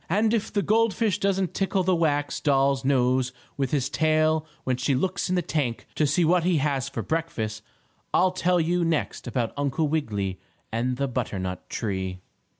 And if the gold fish doesn't tickle the wax doll's nose with his tail when she looks in the tank to see what he has for breakfast, I'll tell you next about Uncle Wiggily and the butternut tree.